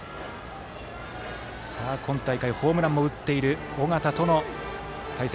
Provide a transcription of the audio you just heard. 今大会、ホームランも打っている尾形との対戦。